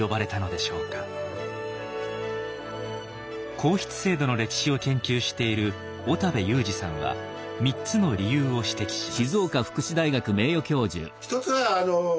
皇室制度の歴史を研究している小田部雄次さんは３つの理由を指摘します。